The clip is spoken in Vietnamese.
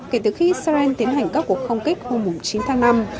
kể từ khi israel tiến hành các cuộc không kích hôm chín tháng năm